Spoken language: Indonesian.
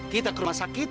kita ke rumah sakit